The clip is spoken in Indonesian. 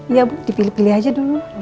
iya bu dipilih pilih aja dulu